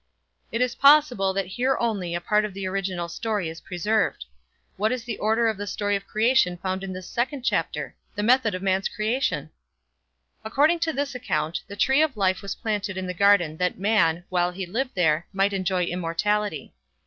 It is possible that here only a part of the original story is preserved. What is the order in the story of creation found in this second chapter? The method of man's creation? According to this account, the tree of life was planted in the garden that man, while he lived there, might enjoy immortality.